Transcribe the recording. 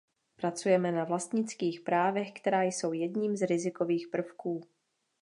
Pracujeme na vlastnických právech, která jsou jedním z rizikových prvků.